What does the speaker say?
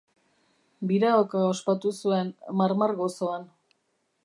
Biraoka ospatu zuen, marmar gozoan.